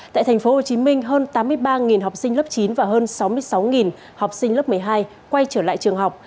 tại tp hcm hơn tám mươi ba học sinh lớp chín và hơn sáu mươi sáu học sinh lớp một mươi hai quay trở lại trường học